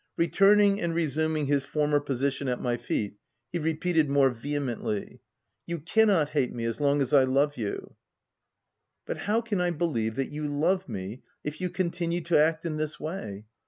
v Returning and resuming his former position at my feet, he re peated more vehemently —" You cannot hate me, as long as I love you/ 5 H But how can I believe that you love me, if you continue to act in this way